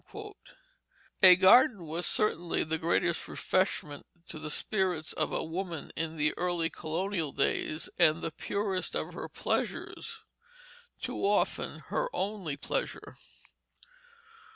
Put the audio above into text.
A garden was certainly the greatest refreshment to the spirits of a woman in the early colonial days, and the purest of her pleasures too often her only pleasure.